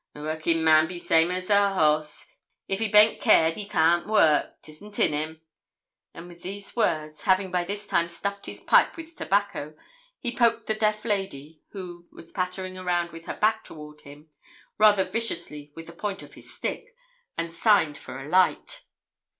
'A workin' man be same as a hoss; if he baint cared, he can't work 'tisn't in him:' and with these words, having by this time stuffed his pipe with tobacco, he poked the deaf lady, who was pattering about with her back toward him, rather viciously with the point of his stick, and signed for a light.